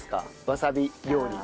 わさび料理。